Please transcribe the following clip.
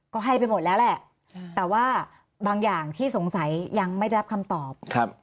ก็ให้ไปหมดแล้วแหละแต่ว่าบางอย่างที่สงสัยยังไม่ได้รับคำตอบ